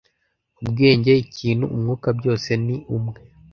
Ubwenge ikintu umwuka-byose ni umwe